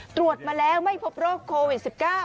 ตรวจมาแล้วไม่พบโรคโควิด๑๙